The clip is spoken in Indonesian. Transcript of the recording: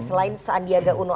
selain sandiaga uno